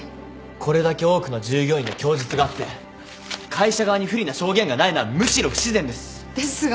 これだけ多くの従業員の供述があって会社側に不利な証言がないのはむしろ不自然です。ですが。